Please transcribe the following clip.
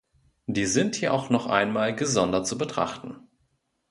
Die sind hier auch noch einmal gesondert zu betrachten.